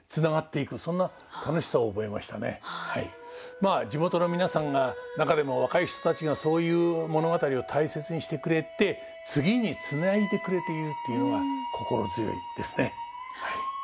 まあ地元の皆さんが中でも若い人たちがそういう物語を大切にしてくれて次につないでくれているっていうのが心強いですねはい。